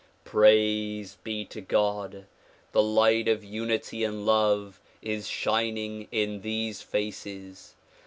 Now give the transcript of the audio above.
Praise be to God ! the light of unity and love is shining in these faces.